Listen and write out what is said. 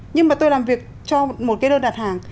nhưng mà tôi làm việc cho một cái đơn đặt hàng